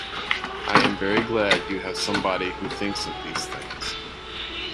I am very glad you have somebody who thinks of these things.